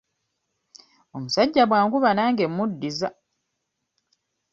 Omusajja bw'ankuba nange mmuddiza.